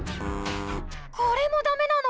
これもダメなの？